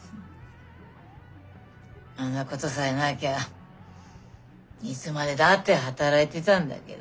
あんなことさえなきゃいつまでだって働いてたんだけどね。